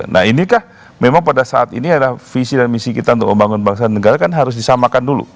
nah inikah memang pada saat ini adalah visi dan misi kita untuk membangun bangsa dan negara kan harus disamakan dulu